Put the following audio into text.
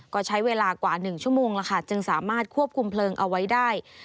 ก็ใช้เวลากว่า๑ชั่วโมงแล้วค่ะจึงสามารถควบคุมเพลิงเอาไว้ได้